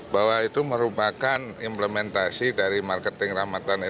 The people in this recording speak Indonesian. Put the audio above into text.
bahwa itu merupakan implementasi dari marketing ramatan ilang min